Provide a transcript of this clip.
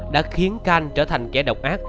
đã khiến canh trở thành kẻ độc ác